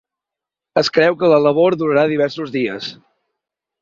Es creu que la labor durarà diversos dies.